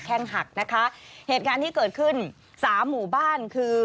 แค่งหักนะคะเหตุการณ์ที่เกิดขึ้นสามหมู่บ้านคือ